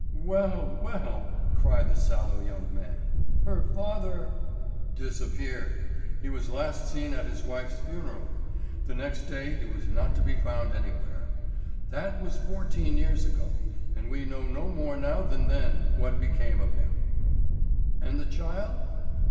"Well, well," cried the sallow young man, "her father——" "Disappeared. He was last seen at his wife's funeral; the next day he was not to be found anywhere. That was fourteen years ago, and we know no more now than then what became of him." "And the child?"